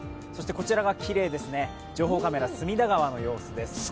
こちらが、きれいですね、情報カメラ、隅田川の様子です。